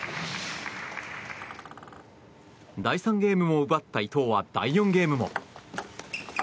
第３ゲームを奪った伊藤は第４ゲームも。